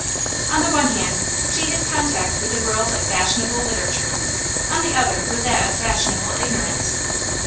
On the one hand, she had contact with the world of fashionable literature, on the other with that of fashionable ignorance.